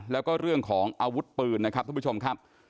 แล้วก็เรื่องของอาวุธปืนนะครับท่านผู้ชมครับ